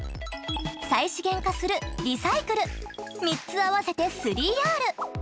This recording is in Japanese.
再資源化する「リサイクル」３つ合わせて「３Ｒ」。